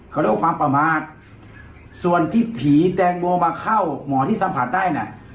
เขาเรียกว่าความประมาทส่วนที่ผีแตงโมมาเข้าหมอที่สัมผัสได้น่ะ